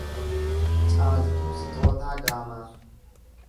Caaltuu Sixootaa Gaamaa